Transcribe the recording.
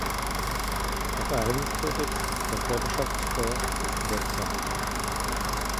Der Verhaltenskodex für Körperschaftssteuer ist wirksam.